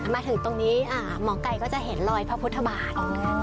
มาถึงตรงนี้หมอไก่ก็จะเห็นรอยพระพุทธบาท